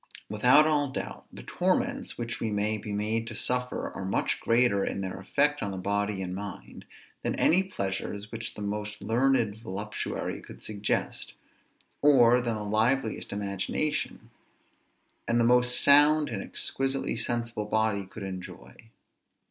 Without all doubt, the torments which we may be made to suffer are much greater in their effect on the body and mind, than any pleasures which the most learned voluptuary could suggest, or than the liveliest imagination, and the most sound and exquisitely sensible body, could enjoy.